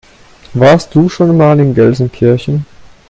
Warst du schon mal in Gelsenkirchen?